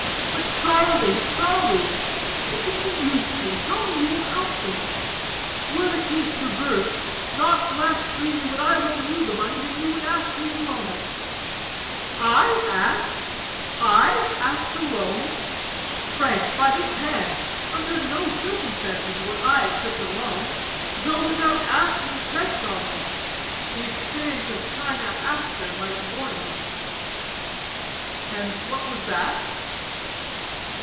But Charlie, Charlie! speak as you used to; tell me you will help me. Were the case reversed, not less freely would I loan you the money than you would ask me to loan it. "I ask? I ask a loan? Frank, by this hand, under no circumstances would I accept a loan, though without asking pressed on me. The experience of China Aster might warn me." "And what was that?"